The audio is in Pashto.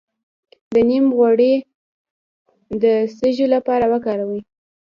د نیم غوړي د سپږو لپاره وکاروئ